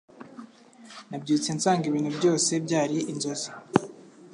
Nabyutse nsanga ibintu byose byari inzozi.